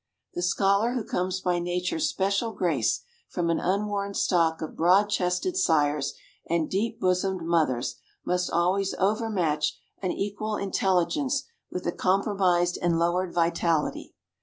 The scholar who comes by Nature's special grace from an unworn stock of broad chested sires and deep bosomed mothers must always overmatch an equal intelligence with a compromised and lowered vitality.